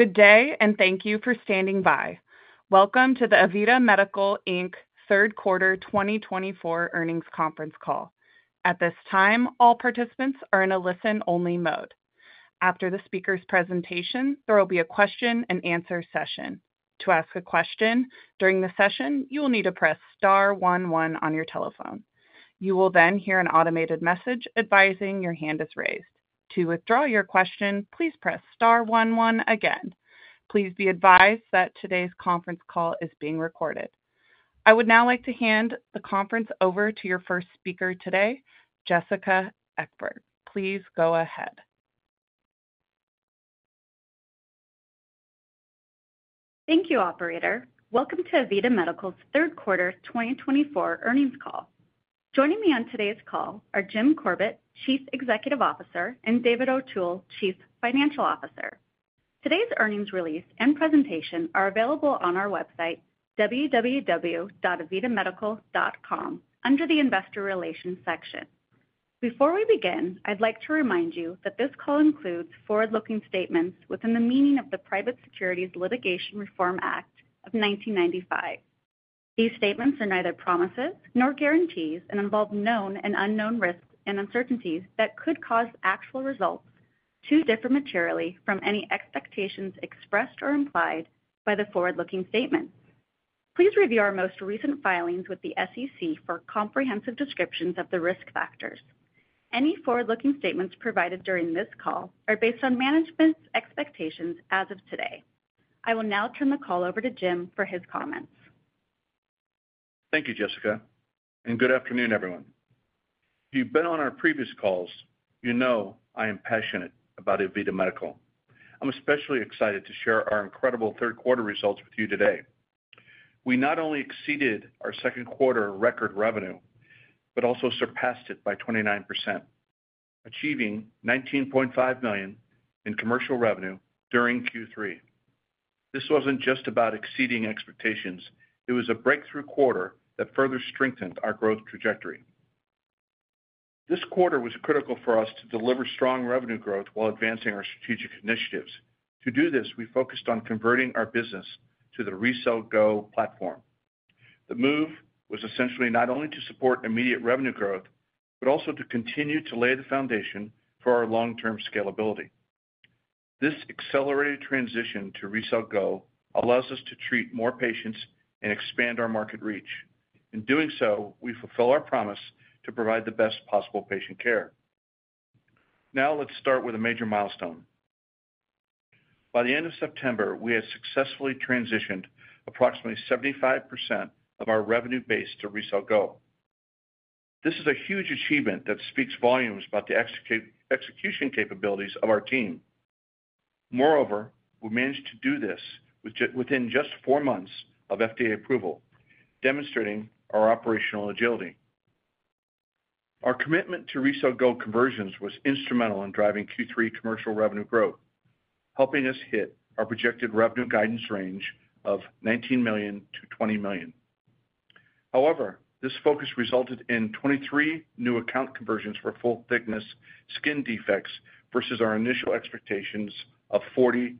Good day, and thank you for standing by. Welcome to the AVITA Medical, Inc Third Quarter 2024 Earnings Conference Call. At this time, all participants are in a listen-only mode. After the speaker's presentation, there will be a question-and-answer session. To ask a question during the session, you will need to press star one-one on your telephone. You will then hear an automated message advising your hand is raised. To withdraw your question, please press star one-one again. Please be advised that today's conference call is being recorded. I would now like to hand the conference over to your first speaker today, Jessica Ekeberg. Please go ahead. Thank you, Operator. Welcome to AVITA Medical's Third Quarter 2024 Earnings Call. Joining me on today's call are Jim Corbett, Chief Executive Officer, and David O'Toole, Chief Financial Officer. Today's earnings release and presentation are available on our website, www.avitamedical.com, under the Investor Relations section. Before we begin, I'd like to remind you that this call includes forward-looking statements within the meaning of the Private Securities Litigation Reform Act of 1995. These statements are neither promises nor guarantees and involve known and unknown risks and uncertainties that could cause actual results to differ materially from any expectations expressed or implied by the forward-looking statements. Please review our most recent filings with the SEC for comprehensive descriptions of the risk factors. Any forward-looking statements provided during this call are based on management's expectations as of today. I will now turn the call over to Jim for his comments. Thank you, Jessica, and good afternoon, everyone. If you've been on our previous calls, you know I am passionate about AVITA Medical. I'm especially excited to share our incredible third quarter results with you today. We not only exceeded our second quarter record revenue, but also surpassed it by 29%, achieving $19.5 million in commercial revenue during Q3. This wasn't just about exceeding expectations. It was a breakthrough quarter that further strengthened our growth trajectory. This quarter was critical for us to deliver strong revenue growth while advancing our strategic initiatives. To do this, we focused on converting our business to the RECELL GO platform. The move was essentially not only to support immediate revenue growth, but also to continue to lay the foundation for our long-term scalability. This accelerated transition to RECELL GO allows us to treat more patients and expand our market reach. In doing so, we fulfill our promise to provide the best possible patient care. Now, let's start with a major milestone. By the end of September, we had successfully transitioned approximately 75% of our revenue base to RECELL GO. This is a huge achievement that speaks volumes about the execution capabilities of our team. Moreover, we managed to do this within just four months of FDA approval, demonstrating our operational agility. Our commitment to RECELL GO conversions was instrumental in driving Q3 commercial revenue growth, helping us hit our projected revenue guidance range of $19 million-$20 million. However, this focus resulted in 23 new account conversions for full-thickness skin defects versus our initial expectations of 40-50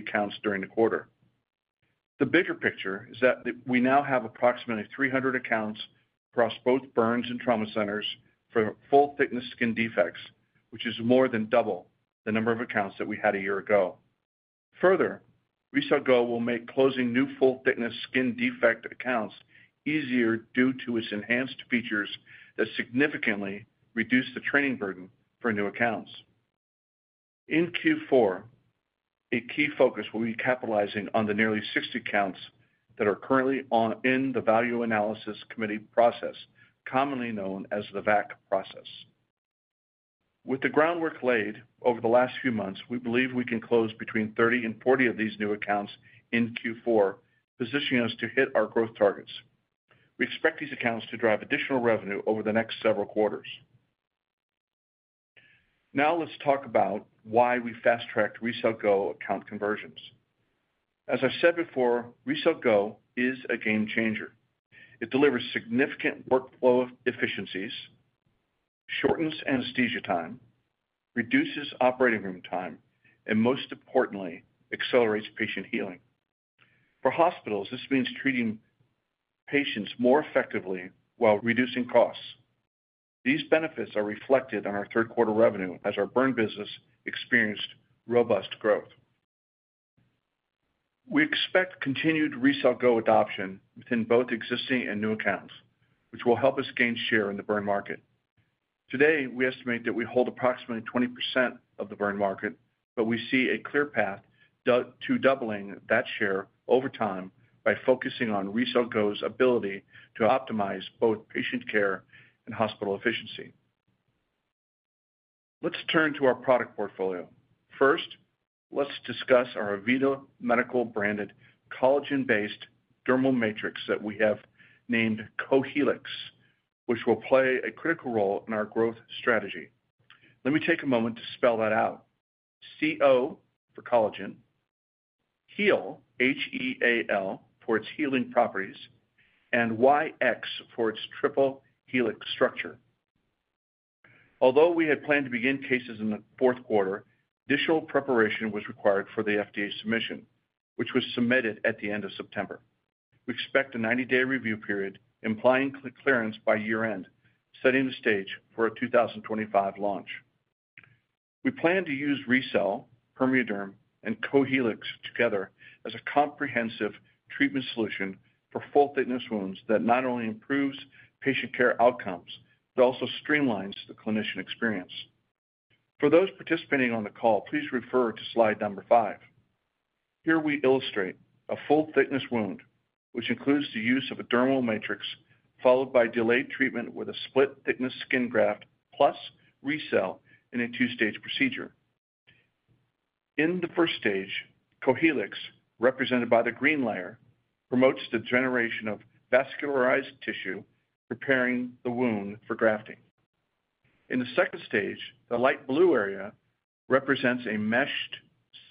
accounts during the quarter. The bigger picture is that we now have approximately 300 accounts across both burns and trauma centers for full-thickness skin defects, which is more than double the number of accounts that we had a year ago. Further, RECELL GO will make closing new full-thickness skin defect accounts easier due to its enhanced features that significantly reduce the training burden for new accounts. In Q4, a key focus will be capitalizing on the nearly 60 accounts that are currently in the Value Analysis Committee process, commonly known as the VAC process. With the groundwork laid over the last few months, we believe we can close between 30 and 40 of these new accounts in Q4, positioning us to hit our growth targets. We expect these accounts to drive additional revenue over the next several quarters. Now, let's talk about why we fast-tracked RECELL GO account conversions. As I said before, RECELL GO is a game changer. It delivers significant workflow efficiencies, shortens anesthesia time, reduces operating room time, and most importantly, accelerates patient healing. For hospitals, this means treating patients more effectively while reducing costs. These benefits are reflected on our third-quarter revenue as our burn business experienced robust growth. We expect continued RECELL GO adoption within both existing and new accounts, which will help us gain share in the burn market. Today, we estimate that we hold approximately 20% of the burn market, but we see a clear path to doubling that share over time by focusing on RECELL GO's ability to optimize both patient care and hospital efficiency. Let's turn to our product portfolio. First, let's discuss our AVITA Medical branded collagen-based dermal matrix that we have named Cohealyx, which will play a critical role in our growth strategy. Let me take a moment to spell that out. C-O for collagen, HEAL, H-E-A-L for its healing properties, and Y-X for its triple helix structure. Although we had planned to begin cases in the fourth quarter, additional preparation was required for the FDA submission, which was submitted at the end of September. We expect a 90-day review period, implying clearance by year-end, setting the stage for a 2025 launch. We plan to use RECELL, PermeaDerm, and Cohealyx together as a comprehensive treatment solution for full-thickness wounds that not only improves patient care outcomes, but also streamlines the clinician experience. For those participating on the call, please refer to slide number five. Here we illustrate a full-thickness wound, which includes the use of a dermal matrix followed by delayed treatment with a split-thickness skin graft plus RECELL in a two-stage procedure. In the first stage, Cohealyx, represented by the green layer, promotes the generation of vascularized tissue preparing the wound for grafting. In the second stage, the light blue area represents a meshed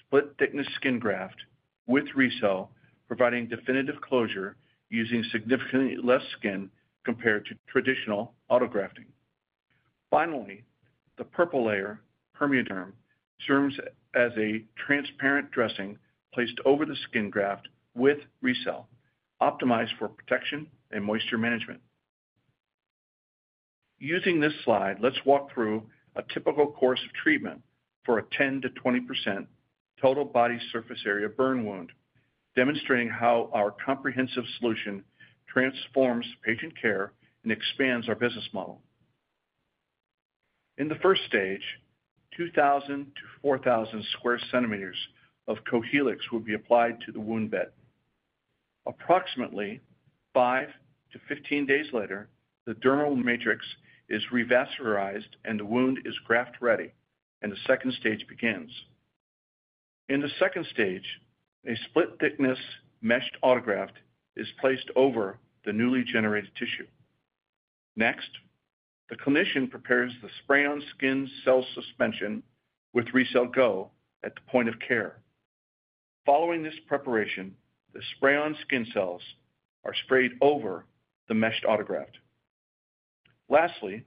split-thickness skin graft with RECELL, providing definitive closure using significantly less skin compared to traditional autografting. Finally, the purple layer, PermeaDerm, serves as a transparent dressing placed over the skin graft with RECELL, optimized for protection and moisture management. Using this slide, let's walk through a typical course of treatment for a 10%-20% total body surface area burn wound, demonstrating how our comprehensive solution transforms patient care and expands our business model. In the first stage, 2,000-4,000 sq cm of Cohealyx will be applied to the wound bed. Approximately 5 to 15 days later, the dermal matrix is revascularized and the wound is graft-ready, and the second stage begins. In the second stage, a split-thickness meshed autograft is placed over the newly generated tissue. Next, the clinician prepares the spray-on skin cell suspension with RECELL GO at the point of care. Following this preparation, the spray-on skin cells are sprayed over the meshed autograft. Lastly,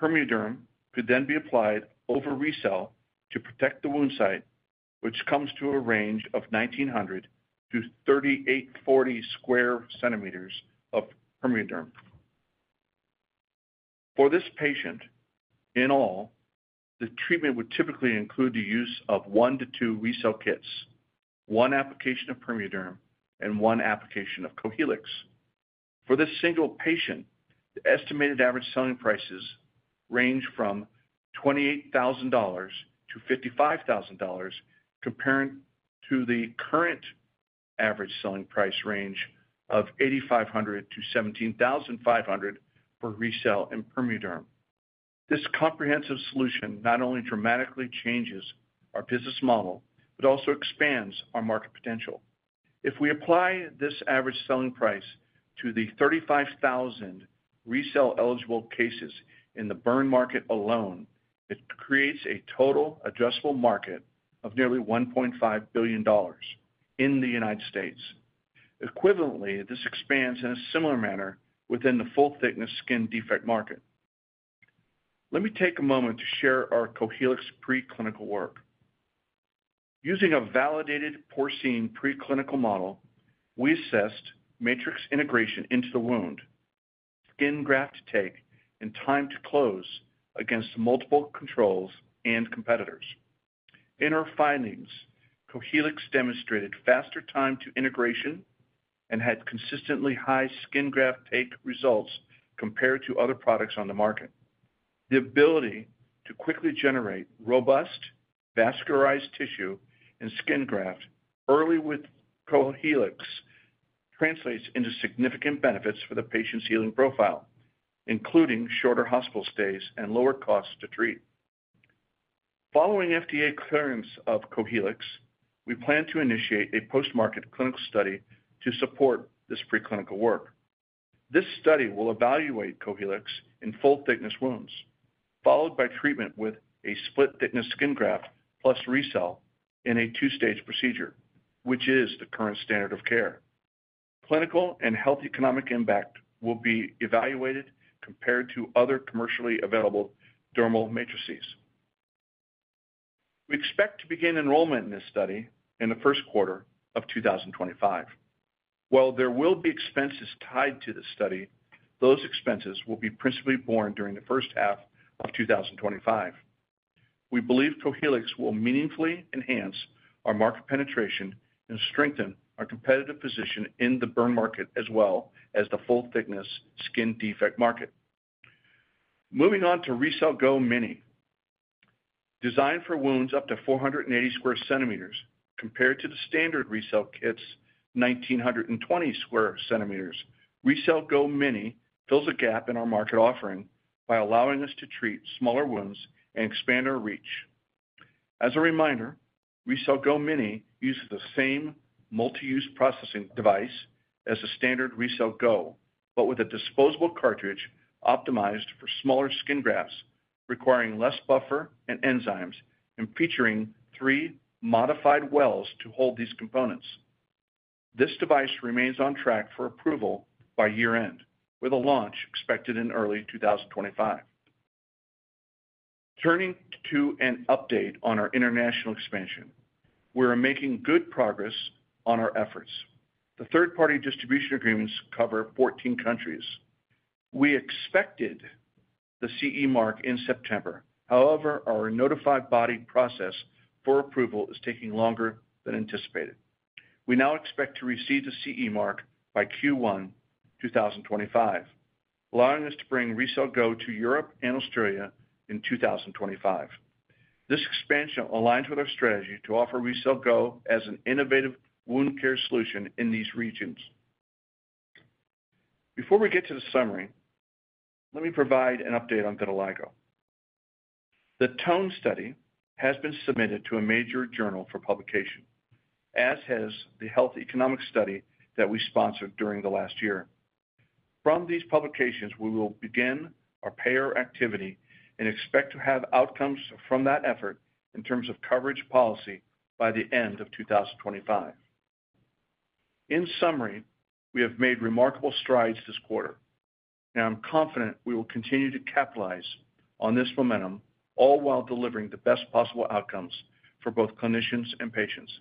PermeaDerm could then be applied over RECELL to protect the wound site, which comes to a range of 1,900-3,840 sq cm of PermeaDerm. For this patient, in all, the treatment would typically include the use of one to two RECELL kits, one application of PermeaDerm, and one application of Cohealyx. For this single patient, the estimated average selling prices range from $28,000-$55,000, compared to the current average selling price range of $8,500-$17,500 for RECELL and PermeaDerm. This comprehensive solution not only dramatically changes our business model, but also expands our market potential. If we apply this average selling price to the 35,000 RECELL eligible cases in the burn market alone, it creates a total addressable market of nearly $1.5 billion in the United States. Equivalently, this expands in a similar manner within the full-thickness skin defect market. Let me take a moment to share our Cohealyx preclinical work. Using a validated porcine preclinical model, we assessed matrix integration into the wound, skin graft take, and time to close against multiple controls and competitors. In our findings, Cohealyx demonstrated faster time to integration and had consistently high skin graft take results compared to other products on the market. The ability to quickly generate robust vascularized tissue and skin graft early with Cohealyx translates into significant benefits for the patient's healing profile, including shorter hospital stays and lower costs to treat. Following FDA clearance of Cohealyx, we plan to initiate a post-market clinical study to support this preclinical work. This study will evaluate Cohealyx in full-thickness wounds, followed by treatment with a split-thickness skin graft plus RECELL in a two-stage procedure, which is the current standard of care. Clinical and health economic impact will be evaluated compared to other commercially available dermal matrices. We expect to begin enrollment in this study in the first quarter of 2025. While there will be expenses tied to the study, those expenses will be principally borne during the first half of 2025. We believe Cohealyx will meaningfully enhance our market penetration and strengthen our competitive position in the burn market as well as the full-thickness skin defect market. Moving on to RECELL GO Mini. Designed for wounds up to 480 sq cm compared to the standard RECELL kit's 1,920 sq cm, RECELL GO Mini fills a gap in our market offering by allowing us to treat smaller wounds and expand our reach. As a reminder, RECELL GO Mini uses the same multi-use processing device as a standard RECELL GO, but with a disposable cartridge optimized for smaller skin grafts requiring less buffer and enzymes and featuring three modified wells to hold these components. This device remains on track for approval by year-end, with a launch expected in early 2025. Turning to an update on our international expansion, we are making good progress on our efforts. The third-party distribution agreements cover 14 countries. We expected the CE Mark in September. However, our notified body process for approval is taking longer than anticipated. We now expect to receive the CE Mark by Q1 2025, allowing us to bring RECELL GO to Europe and Australia in 2025. This expansion aligns with our strategy to offer RECELL GO as an innovative wound care solution in these regions. Before we get to the summary, let me provide an update on vitiligo. The TONE study has been submitted to a major journal for publication, as has the health economic study that we sponsored during the last year. From these publications, we will begin our payer activity and expect to have outcomes from that effort in terms of coverage policy by the end of 2025. In summary, we have made remarkable strides this quarter. Now, I'm confident we will continue to capitalize on this momentum, all while delivering the best possible outcomes for both clinicians and patients.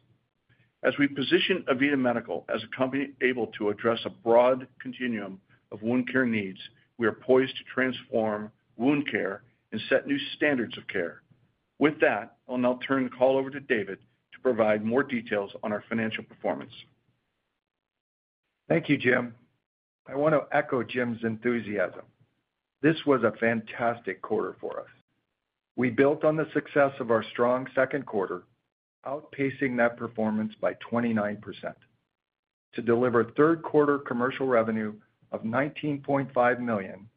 As we position AVITA Medical as a company able to address a broad continuum of wound care needs, we are poised to transform wound care and set new standards of care. With that, I'll now turn the call over to David to provide more details on our financial performance. Thank you, Jim. I want to echo Jim's enthusiasm. This was a fantastic quarter for us. We built on the success of our strong second quarter, outpacing that performance by 29% to deliver third-quarter commercial revenue of $19.5 million,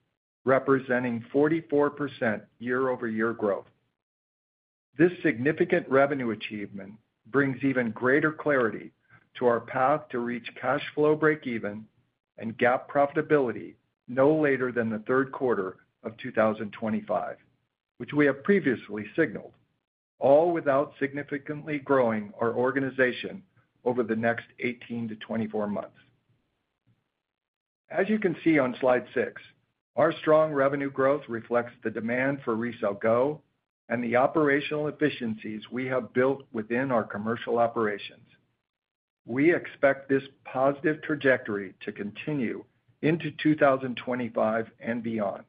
representing 44% year-over-year growth. This significant revenue achievement brings even greater clarity to our path to reach cash flow breakeven and GAAP profitability no later than the third quarter of 2025, which we have previously signaled, all without significantly growing our organization over the next 18-24 months. As you can see on slide six, our strong revenue growth reflects the demand for RECELL GO and the operational efficiencies we have built within our commercial operations. We expect this positive trajectory to continue into 2025 and beyond.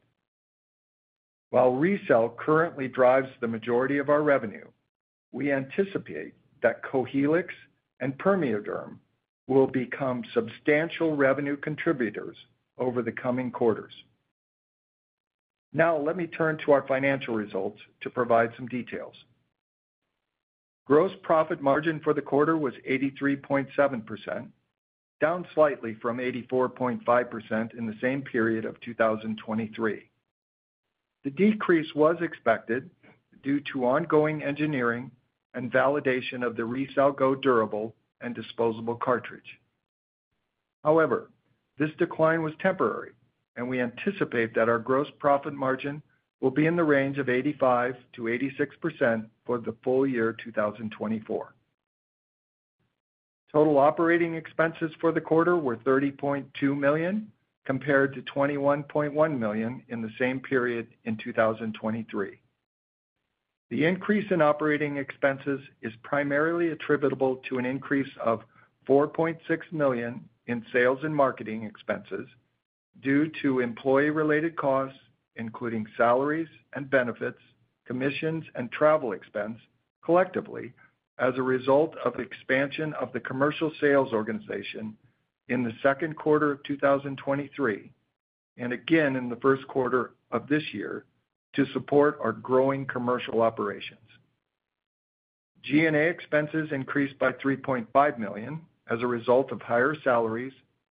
While RECELL GO currently drives the majority of our revenue, we anticipate that Cohealyx and PermeaDerm will become substantial revenue contributors over the coming quarters. Now, let me turn to our financial results to provide some details. Gross profit margin for the quarter was 83.7%, down slightly from 84.5% in the same period of 2023. The decrease was expected due to ongoing engineering and validation of the RECELL GO durable and disposable cartridge. However, this decline was temporary, and we anticipate that our gross profit margin will be in the range of 85%-86% for the full year 2024. Total operating expenses for the quarter were $30.2 million compared to $21.1 million in the same period in 2023. The increase in operating expenses is primarily attributable to an increase of $4.6 million in sales and marketing expenses due to employee-related costs, including salaries and benefits, commissions, and travel expense collectively as a result of the expansion of the commercial sales organization in the second quarter of 2023 and again in the first quarter of this year to support our growing commercial operations. G&A expenses increased by $3.5 million as a result of higher salaries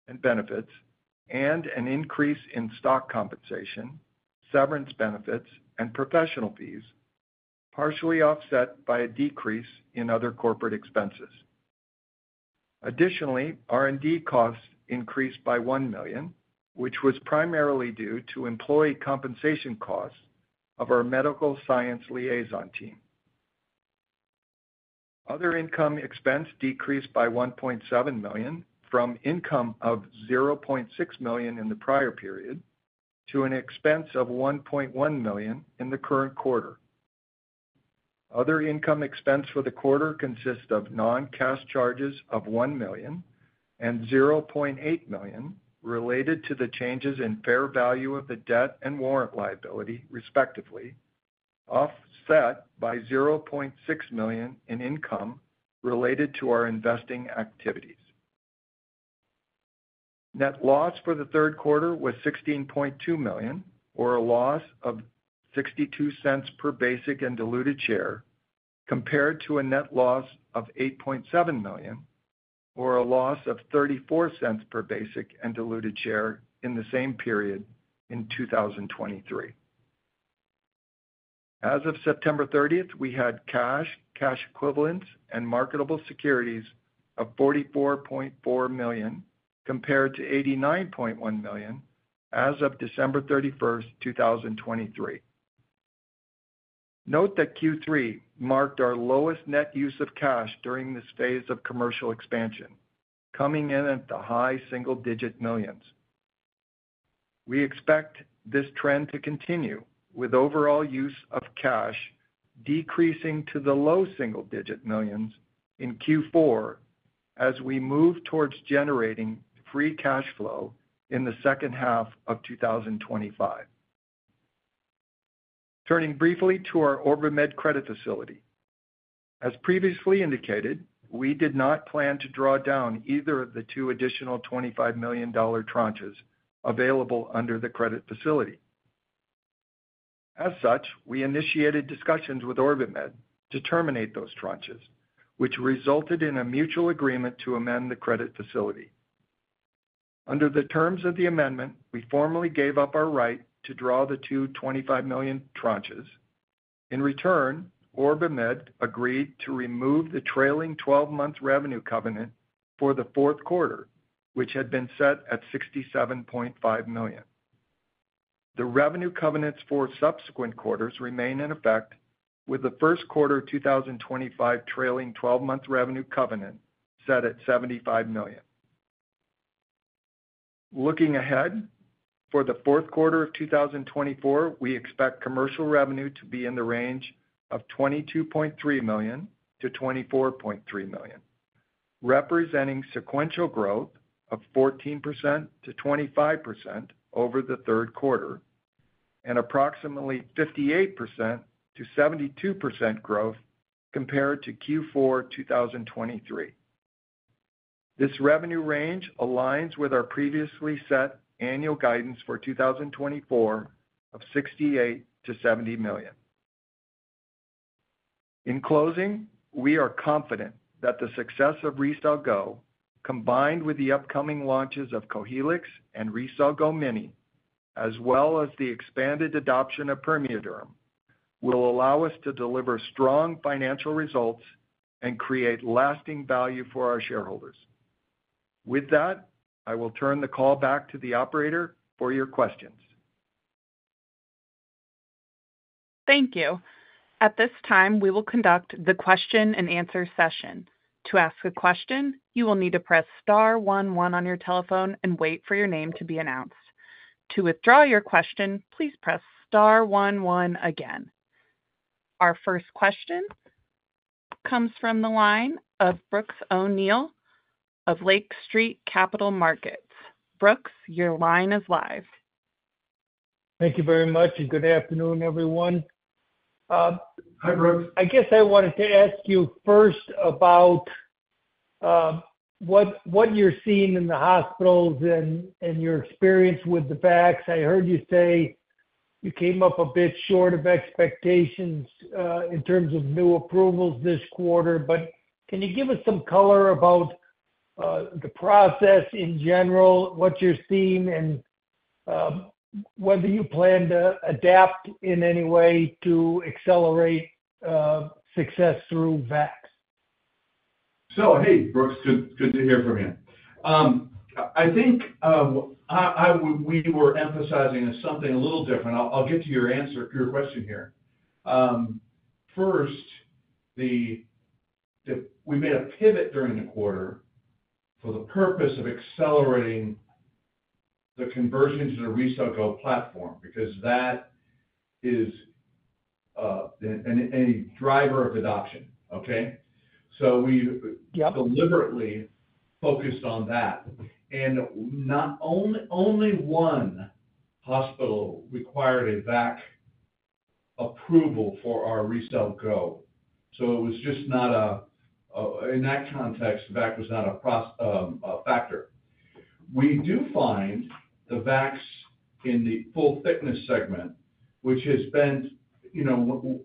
and benefits and an increase in stock compensation, severance benefits, and professional fees, partially offset by a decrease in other corporate expenses. Additionally, R&D costs increased by $1 million, which was primarily due to employee compensation costs of our medical science liaison team. Other income expense decreased by $1.7 million from income of $0.6 million in the prior period to an expense of $1.1 million in the current quarter. Other income expense for the quarter consists of non-cash charges of $1 million and $0.8 million related to the changes in fair value of the debt and warrant liability, respectively, offset by $0.6 million in income related to our investing activities. Net loss for the third quarter was $16.2 million, or a loss of $0.62 per basic and diluted share, compared to a net loss of $8.7 million, or a loss of $0.34 per basic and diluted share in the same period in 2023. As of September 30th, we had cash, cash equivalents, and marketable securities of $44.4 million compared to $89.1 million as of December 31st, 2023. Note that Q3 marked our lowest net use of cash during this phase of commercial expansion, coming in at the high single-digit millions. We expect this trend to continue, with overall use of cash decreasing to the low single-digit millions in Q4 as we move towards generating free cash flow in the second half of 2025. Turning briefly to our OrbiMed Credit Facility. As previously indicated, we did not plan to draw down either of the two additional $25 million tranches available under the credit facility. As such, we initiated discussions with OrbiMed to terminate those tranches, which resulted in a mutual agreement to amend the credit facility. Under the terms of the amendment, we formally gave up our right to draw the two $25 million tranches. In return, OrbiMed agreed to remove the trailing 12-month revenue covenant for the fourth quarter, which had been set at $67.5 million. The revenue covenants for subsequent quarters remain in effect, with the first quarter of 2025 trailing 12-months revenue covenant set at $75 million. Looking ahead for the fourth quarter of 2024, we expect commercial revenue to be in the range of $22.3 million to $24.3 million, representing sequential growth of 14% to 25% over the third quarter and approximately 58% to 72% growth compared to Q4 2023. This revenue range aligns with our previously set annual guidance for 2024 of $68 million to $70 million. In closing, we are confident that the success of RECELL GO, combined with the upcoming launches of Cohealyx and RECELL GO Mini, as well as the expanded adoption of PermeaDerm, will allow us to deliver strong financial results and create lasting value for our shareholders. With that, I will turn the call back to the operator for your questions. Thank you. At this time, we will conduct the question-and-answer session. To ask a question, you will need to press star 11 on your telephone and wait for your name to be announced. To withdraw your question, please press star 11 again. Our first question comes from the line of Brooks O'Neill of Lake Street Capital Markets. Brooks, your line is live. Thank you very much, and good afternoon, everyone. Hi, Brooks. I guess I wanted to ask you first about what you're seeing in the hospitals and your experience with the VAC. I heard you say you came up a bit short of expectations in terms of new approvals this quarter, but can you give us some color about the process in general, what you're seeing, and whether you plan to adapt in any way to accelerate success through VAC? So, hey, Brooks, good to hear from you. I think we were emphasizing something a little different. I'll get to your answer, your question here. First, we made a pivot during the quarter for the purpose of accelerating the conversion to the RECELL GO platform because that is a driver of adoption, okay? So we deliberately focused on that. Not only one hospital required a VAC approval for our RECELL GO, so it was just not a, in that context, VAC was not a factor. We do find the VAC in the full-thickness segment, which has been,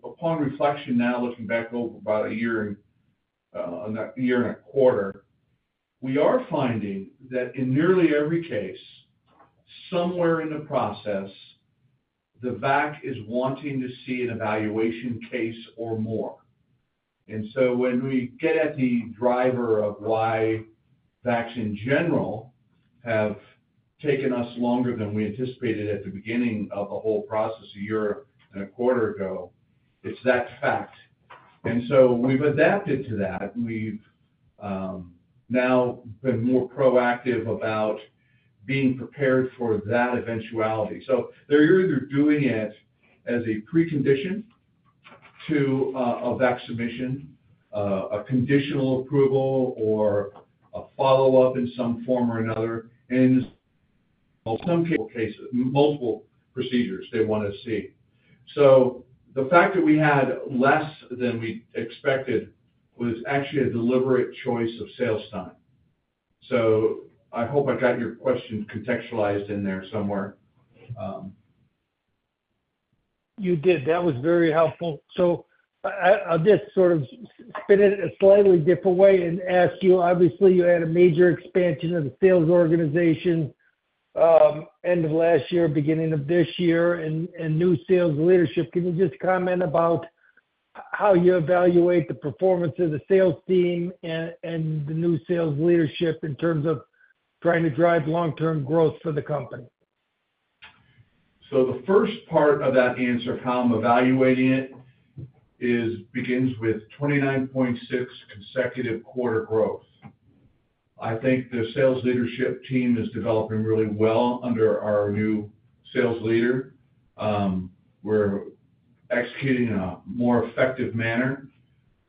upon reflection now, looking back over about a year and a quarter, we are finding that in nearly every case, somewhere in the process, the VAC is wanting to see an evaluation case or more. So when we get at the driver of why VAC in general has taken us longer than we anticipated at the beginning of the whole process a year and a quarter ago, it's that fact. We've adapted to that. We've now been more proactive about being prepared for that eventuality. They're either doing it as a precondition to a VAC submission, a conditional approval, or a follow-up in some form or another. And in some cases, multiple procedures they want to see. So the fact that we had less than we expected was actually a deliberate choice of sales time. So I hope I got your question contextualized in there somewhere. You did. That was very helpful. So I'll just sort of spin it a slightly different way and ask you. Obviously, you had a major expansion of the sales organization end of last year, beginning of this year, and new sales leadership. Can you just comment about how you evaluate the performance of the sales team and the new sales leadership in terms of trying to drive long-term growth for the company? So the first part of that answer of how I'm evaluating it begins with 29.6 consecutive quarter growth. I think the sales leadership team is developing really well under our new sales leader. We're executing in a more effective manner.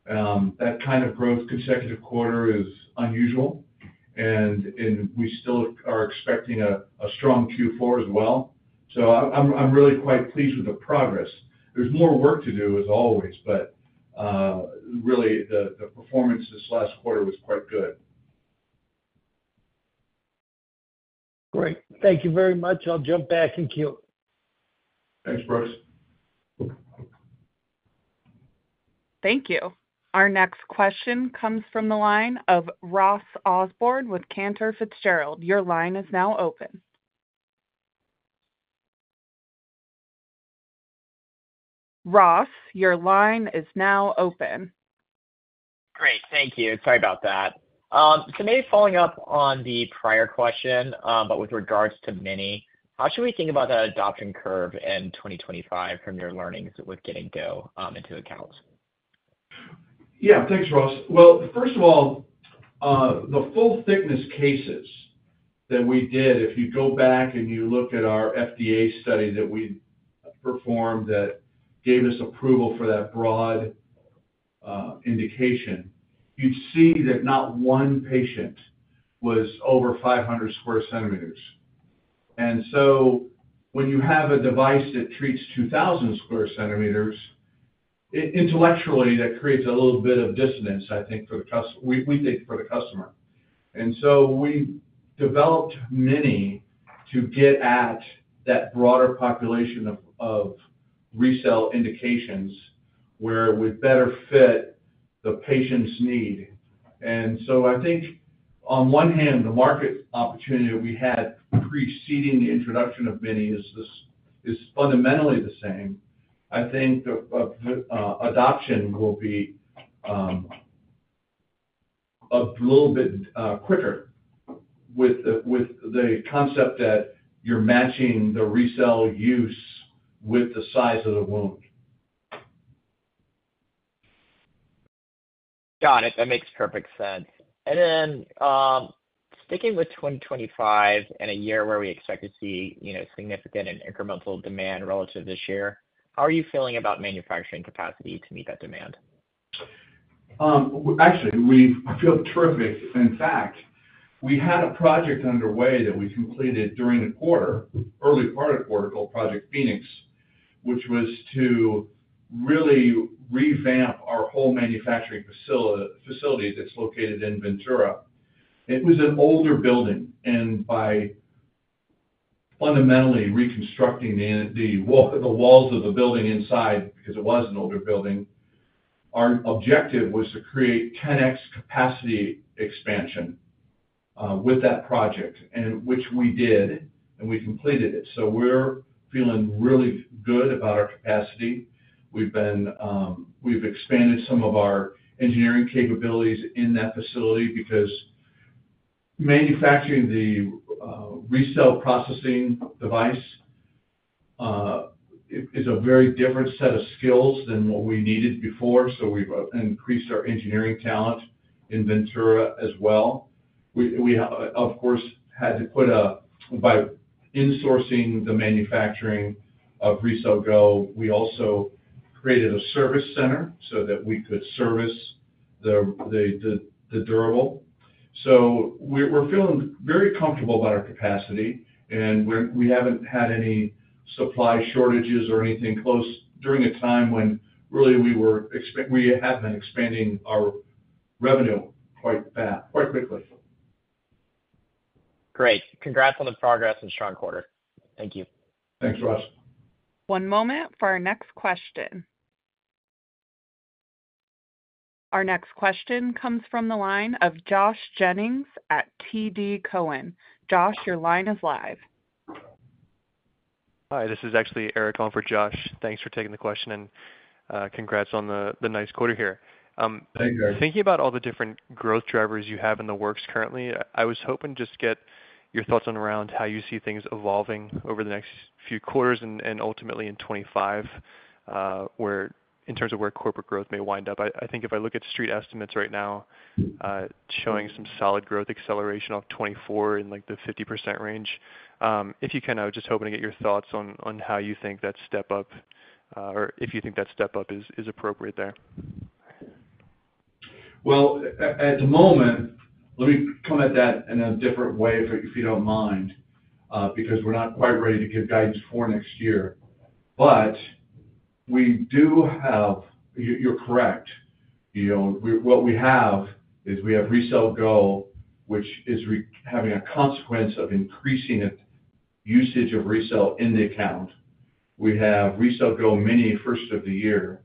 That kind of growth consecutive quarter is unusual, and we still are expecting a strong Q4 as well. So I'm really quite pleased with the progress. There's more work to do, as always, but really, the performance this last quarter was quite good. Great. Thank you very much. I'll jump back and kill. Thanks, Brooks. Thank you. Our next question comes from the line of Ross Osborn with Cantor Fitzgerald. Your line is now open. Ross, your line is now open. Great. Thank you. Sorry about that. So maybe following up on the prior question, but with regards to Mini, how should we think about that adoption curve in 2025 from your learnings with getting Go into accounts? Yeah. Thanks, Ross. First of all, the full-thickness cases that we did, if you go back and you look at our FDA study that we performed that gave us approval for that broad indication, you'd see that not one patient was over 500 sq cm. And so when you have a device that treats 2,000 sq cm, intellectually, that creates a little bit of dissonance, I think, for the customer. We think for the customer. And so we developed Mini to get at that broader population of RECELL indications where it would better fit the patient's need. And so I think, on one hand, the market opportunity that we had preceding the introduction of Mini is fundamentally the same. I think adoption will be a little bit quicker with the concept that you're matching the RECELL use with the size of the wound. Got it. That makes perfect sense. And then sticking with 2025 and a year where we expect to see significant and incremental demand relative to this year, how are you feeling about manufacturing capacity to meet that demand? Actually, I feel terrific. In fact, we had a project underway that we completed during the quarter, early part of the quarter, called Project Phoenix, which was to really revamp our whole manufacturing facility that's located in Ventura. It was an older building, and by fundamentally reconstructing the walls of the building inside because it was an older building, our objective was to create 10x capacity expansion with that project, which we did, and we completed it. So we're feeling really good about our capacity. We've expanded some of our engineering capabilities in that facility because manufacturing the RECELL processing device is a very different set of skills than what we needed before. So we've increased our engineering talent in Ventura as well. We, of course, by insourcing the manufacturing of RECELL GO, we also created a service center so that we could service the durable. So we're feeling very comfortable about our capacity, and we haven't had any supply shortages or anything close during a time when really we have been expanding our revenue quite fast, quite quickly. Great. Congrats on the progress and strong quarter. Thank you. Thanks, Ross. One moment for our next question. Our next question comes from the line of Josh Jennings at TD Cowen. Josh, your line is live. Hi. This is actually Eric Ho for Josh. Thanks for taking the question, and congrats on the nice quarter here. Thank you. Thinking about all the different growth drivers you have in the works currently, I was hoping to just get your thoughts around how you see things evolving over the next few quarters and ultimately in 2025, in terms of where corporate growth may wind up. I think if I look at street estimates right now showing some solid growth acceleration of 2024 in the 50% range, if you can, I was just hoping to get your thoughts on how you think that step up, or if you think that step up is appropriate there. Well, at the moment, let me come at that in a different way if you don't mind, because we're not quite ready to give guidance for next year. But we do have—you're correct. What we have is we have RECELL GO, which is having a consequence of increasing usage of RECELL in the account. We have RECELL GO Mini first of the year.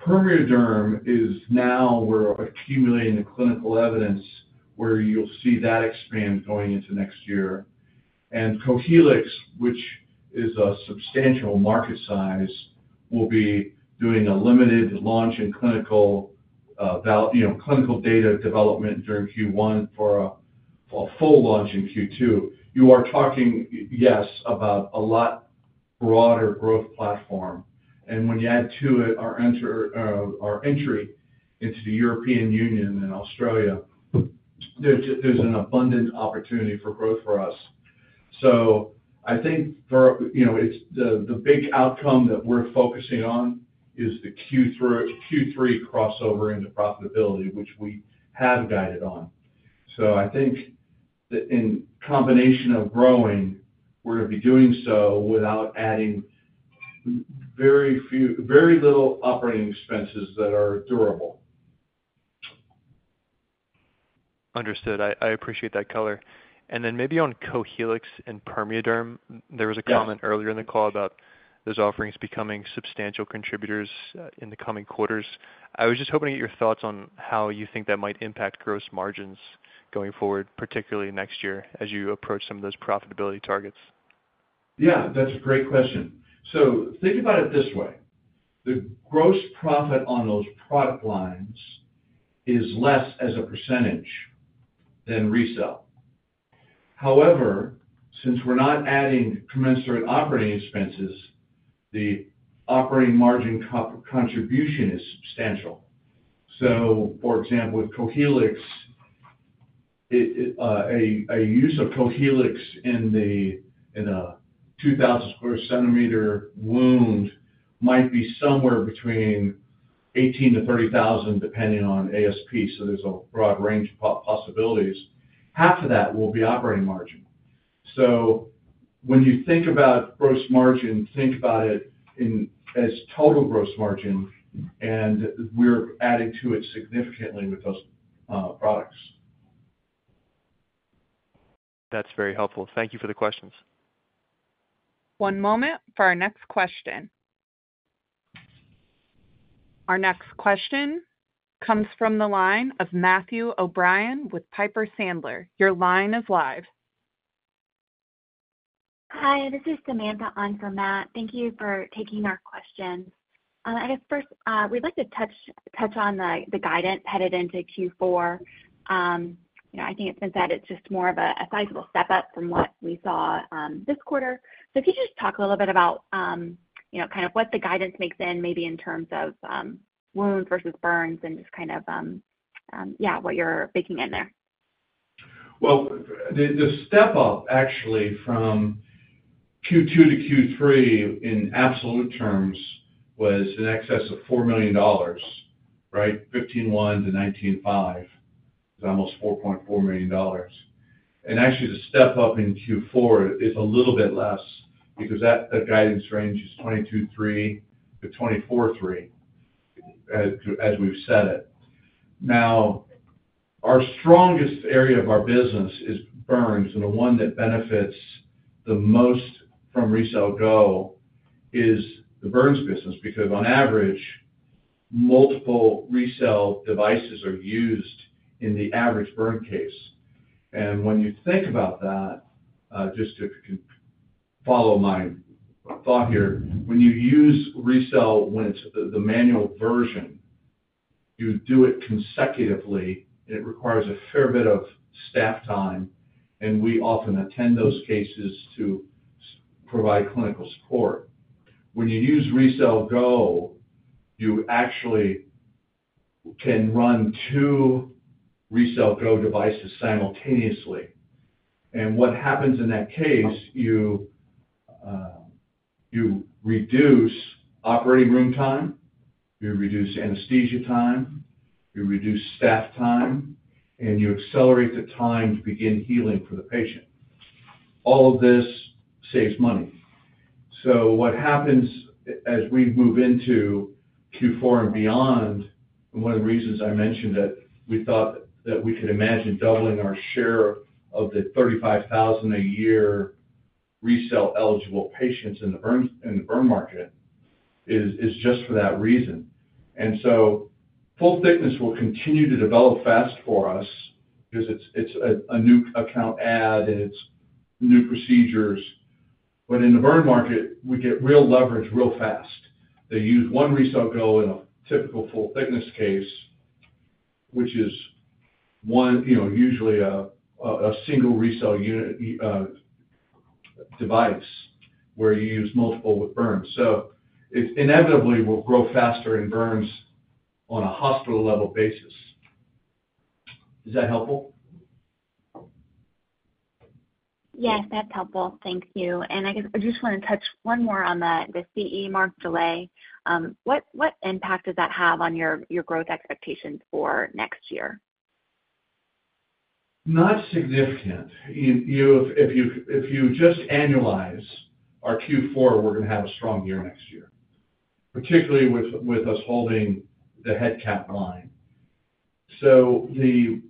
PermeaDerm is now where we're accumulating the clinical evidence where you'll see that expand going into next year. And Cohealyx, which is a substantial market size, will be doing a limited launch in clinical data development during Q1 for a full launch in Q2. You are talking, yes, about a lot broader growth platform. And when you add to it our entry into the European Union and Australia, there's an abundant opportunity for growth for us. So I think the big outcome that we're focusing on is the Q3 crossover into profitability, which we have guided on. So I think in combination of growing, we're going to be doing so without adding very little operating expenses that are durable. Understood. I appreciate that color. And then maybe on Cohealyx and PermeaDerm, there was a comment earlier in the call about those offerings becoming substantial contributors in the coming quarters. I was just hoping to get your thoughts on how you think that might impact gross margins going forward, particularly next year as you approach some of those profitability targets. Yeah. That's a great question. So think about it this way. The gross profit on those product lines is less as a percentage than RECELL. However, since we're not adding commensurate operating expenses, the operating margin contribution is substantial. So, for example, with Cohealyx, a use of Cohealyx in a 2,000 sq cm wound might be somewhere between $18,000-$30,000, depending on ASP. So there's a broad range of possibilities. Half of that will be operating margin. So when you think about gross margin, think about it as total gross margin, and we're adding to it significantly with those products. That's very helpful. Thank you for the questions. One moment for our next question. Our next question comes from the line of Matthew O'Brien with Piper Sandler. Your line is live. Hi. This is Samantha on for Matt. Thank you for taking our questions. I guess first, we'd like to touch on the guidance headed into Q4. I think it's been said it's just more of a sizable step up from what we saw this quarter. So could you just talk a little bit about kind of what the guidance makes in maybe in terms of wounds versus burns and just kind of, yeah, what you're baking in there? The step up actually from Q2 to Q3 in absolute terms was in excess of $4 million, right? $15.1 million to $19.5 million is almost $4.4 million. And actually, the step up in Q4 is a little bit less because that guidance range is $22.3 million to $24.3 million, as we've said it. Now, our strongest area of our business is burns, and the one that benefits the most from RECELL GO is the burns business because, on average, multiple RECELL devices are used in the average burn case. And when you think about that, just to follow my thought here, when you use RECELL when it's the manual version, you do it consecutively, and it requires a fair bit of staff time. And we often attend those cases to provide clinical support. When you use RECELL GO, you actually can run two RECELL GO devices simultaneously. And what happens in that case, you reduce operating room time, you reduce anesthesia time, you reduce staff time, and you accelerate the time to begin healing for the patient. All of this saves money. So what happens as we move into Q4 and beyond, and one of the reasons I mentioned that we thought that we could imagine doubling our share of the 35,000 a year RECELL eligible patients in the burn market is just for that reason. And so full-thickness will continue to develop fast for us because it's a new account add, and it's new procedures. But in the burn market, we get real leverage real fast. They use one RECELL GO in a typical full-thickness case, which is usually a single RECELL device where you use multiple burns. So it inevitably will grow faster in burns on a hospital-level basis. Is that helpful? Yes, that's helpful. Thank you. And I guess I just want to touch one more on the CE Mark delay. What impact does that have on your growth expectations for next year? Not significant. If you just annualize our Q4, we're going to have a strong year next year, particularly with us holding the headcount line. So the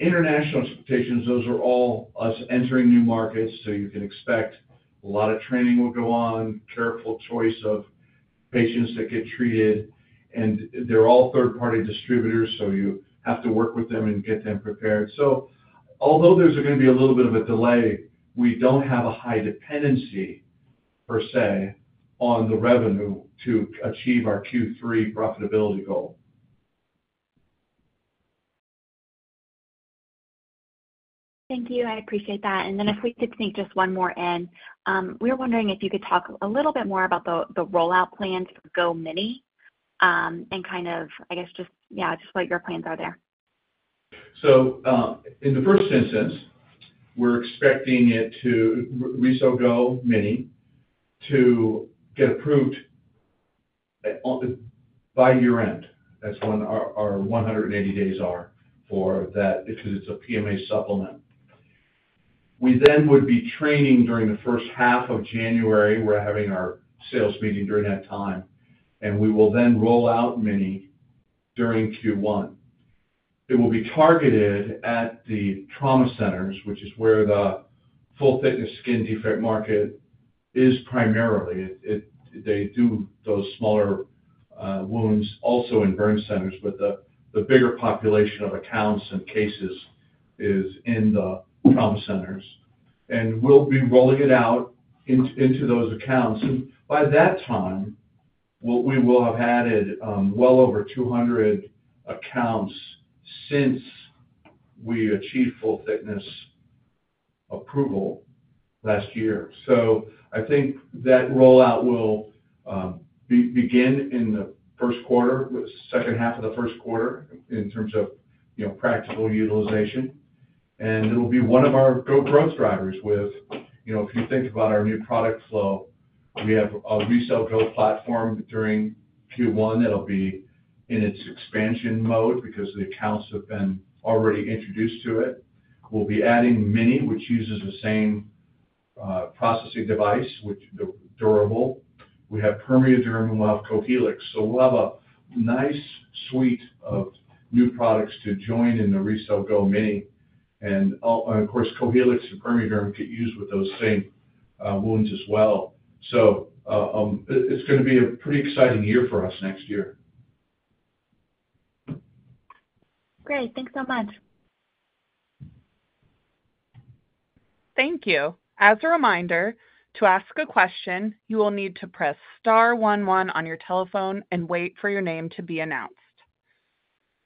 international expectations, those are all us entering new markets. So you can expect a lot of training will go on, careful choice of patients that get treated, and they're all third-party distributors. So you have to work with them and get them prepared. So although there's going to be a little bit of a delay, we don't have a high dependency per se on the revenue to achieve our Q3 profitability goal. Thank you. I appreciate that. And then if we could sneak just one more in, we were wondering if you could talk a little bit more about the rollout plans for Go Mini and kind of, I guess, just, yeah, just what your plans are there. So in the first instance, we're expecting RECELL GO Mini to get approved by year-end. That's when our 180 days are for that because it's a PMA supplement. We then would be training during the first half of January. We're having our sales meeting during that time, and we will then roll out Mini during Q1. It will be targeted at the trauma centers, which is where the full-thickness skin defect market is primarily. They do those smaller wounds also in burn centers, but the bigger population of accounts and cases is in the trauma centers. And we'll be rolling it out into those accounts. And by that time, we will have added well over 200 accounts since we achieved full-thickness approval last year. So I think that rollout will begin in the first quarter, second half of the first quarter in terms of practical utilization. And it'll be one of our growth drivers with, if you think about our new product flow, we have a RECELL GO platform during Q1 that'll be in its expansion mode because the accounts have been already introduced to it. We'll be adding Mini, which uses the same processing device, which is durable. We have PermeaDerm, and we'll have Cohealyx. So we'll have a nice suite of new products to join in the RECELL GO Mini. And of course, Cohealyx and PermeaDerm get used with those same wounds as well. So it's going to be a pretty exciting year for us next year. Great. Thanks so much. Thank you. As a reminder, to ask a question, you will need to press star 11 on your telephone and wait for your name to be announced.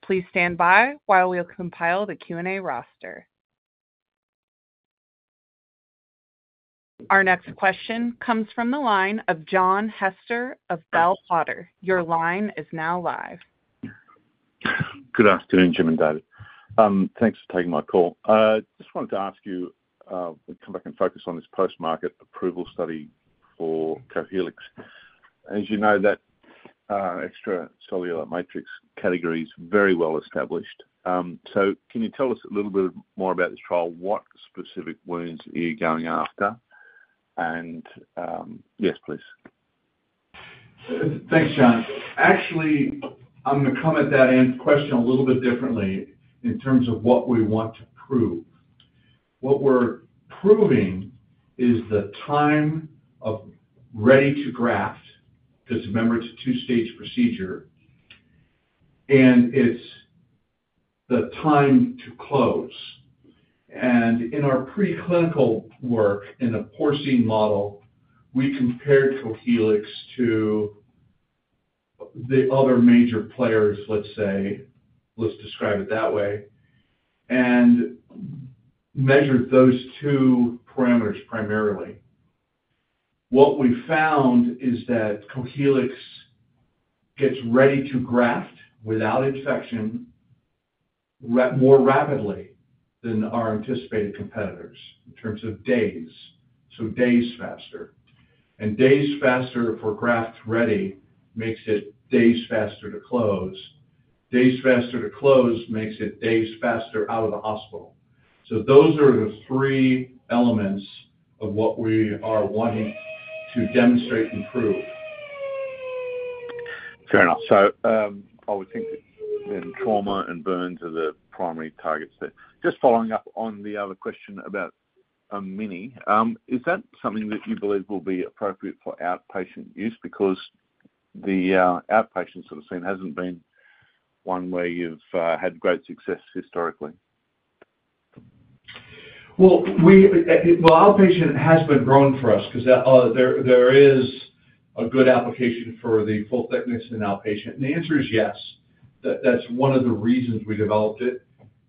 Please stand by while we compile the Q&A roster. Our next question comes from the line of John Hester of Bell Potter. Your line is now live. Good afternoon, Jim and David. Thanks for taking my call. Just wanted to ask you to come back and focus on this post-market approval study for Cohealyx. As you know, that extracellular matrix category is very well established. So can you tell us a little bit more about this trial? What specific wounds are you going after? And yes, please. Thanks, John. Actually, I'm going to come at that question a little bit differently in terms of what we want to prove. What we're proving is the time of ready-to-graft because remember, it's a two-stage procedure, and it's the time to close, and in our preclinical work in the porcine model, we compared Cohealyx to the other major players, let's say, let's describe it that way, and measured those two parameters primarily. What we found is that Cohealyx gets ready-to-graft without infection more rapidly than our anticipated competitors in terms of days, so days faster, and days faster for graft ready makes it days faster to close. Days faster to close makes it days faster out of the hospital, so those are the three elements of what we are wanting to demonstrate and prove. Fair enough, so I would think that trauma and burns are the primary targets there. Just following up on the other question about Mini, is that something that you believe will be appropriate for outpatient use? Because the outpatient sort of scene hasn't been one where you've had great success historically. Well, outpatient has been growing for us because there is a good application for the full-thickness in outpatient. And the answer is yes. That's one of the reasons we developed it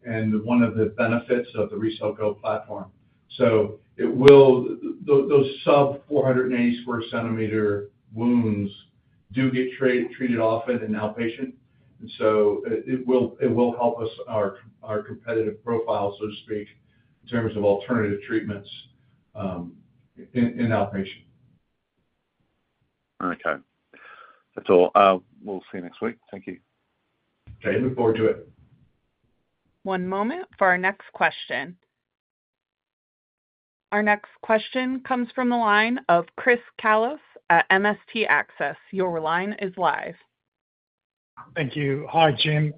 and one of the benefits of the RECELL GO platform. So those sub-480 sq cm wounds do get treated often in outpatient. And so it will help us our competitive profile, so to speak, in terms of alternative treatments in outpatient. Okay. That's all. We'll see you next week. Thank you. Okay. Look forward to it. One moment for our next question. Our next question comes from the line of Chris Kallos at MST Access. Your line is live. Thank you. Hi, Jim.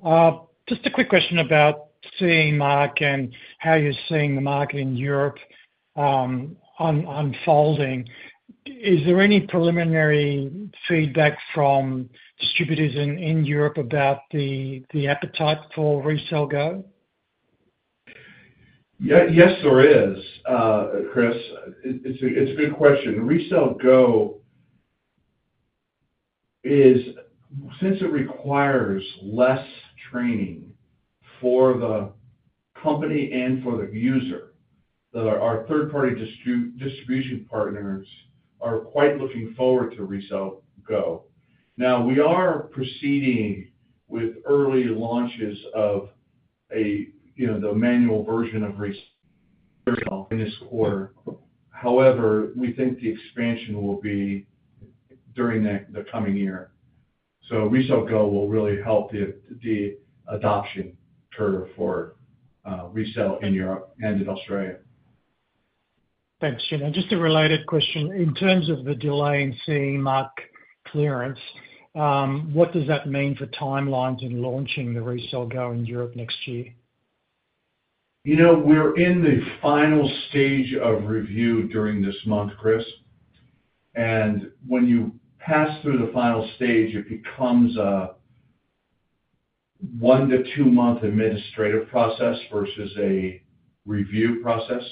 Just a quick question about sizing the market and how you're seeing the market in Europe unfolding. Is there any preliminary feedback from distributors in Europe about the appetite for RECELL GO? Yes, there is, Chris. It's a good question. RECELL GO is, since it requires less training for the company and for the user, our third-party distribution partners are quite looking forward to RECELL GO. Now, we are proceeding with early launches of the manual version of RECELL in this quarter. However, we think the expansion will be during the coming year. So RECELL GO will really help the adoption curve for RECELL in Europe and in Australia. Thanks, Jim. And just a related question. In terms of the delay in seeing market clearance, what does that mean for timelines in launching the RECELL GO in Europe next year? We're in the final stage of review during this month, Chris. When you pass through the final stage, it becomes a one- to two-month administrative process versus a review process.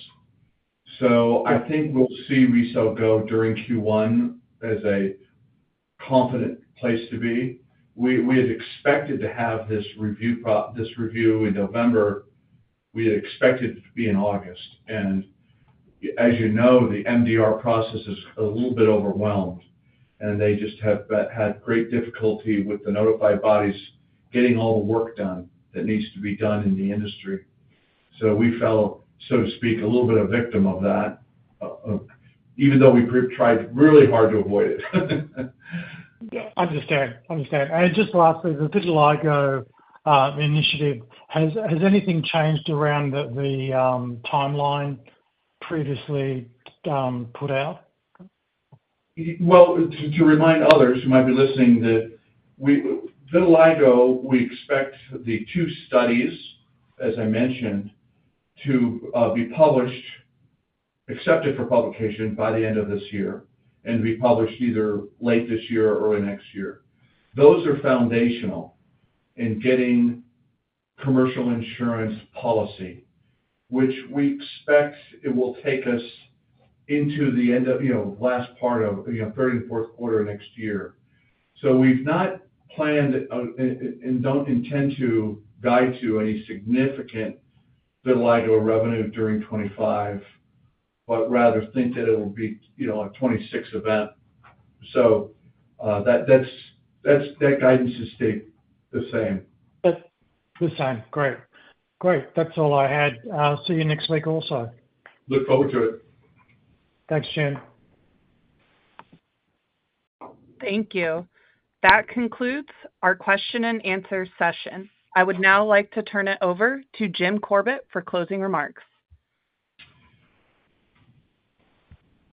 So I think we'll see RECELL GO during Q1 as a confident place to be. We had expected to have this review in November. We had expected it to be in August. And as you know, the MDR process is a little bit overwhelmed, and they just have had great difficulty with the notified bodies getting all the work done that needs to be done in the industry. So we felt, so to speak, a little bit of a victim of that, even though we tried really hard to avoid it. Understand. Understand. And just lastly, the Vitiligo initiative, has anything changed around the timeline previously put out? To remind others who might be listening, the vitiligo, we expect the two studies, as I mentioned, to be published, accepted for publication by the end of this year and be published either late this year or next year. Those are foundational in getting commercial insurance policy, which we expect it will take us into the last part of third and fourth quarter next year. So we've not planned and don't intend to guide to any significant vitiligo revenue during 2025, but rather think that it will be a 2026 event. So that guidance is stayed the same. That's fine. Great. Great. That's all I had. I'll see you next week also. Look forward to it. Thanks, Jim. Thank you. That concludes our question and answer session. I would now like to turn it over to Jim Corbett for closing remarks.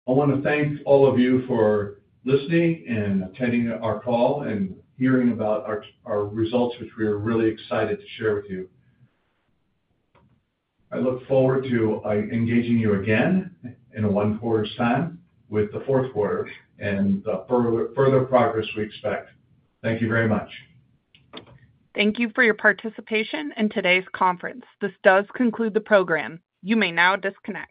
I want to thank all of you for listening and attending our call and hearing about our results, which we are really excited to share with you. I look forward to engaging you again in a one-quarter's time with the fourth quarter and the further progress we expect. Thank you very much. Thank you for your participation in today's conference. This does conclude the program. You may now disconnect.